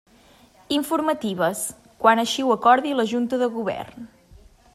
Informatives: quan així ho acordi la Junta de Govern.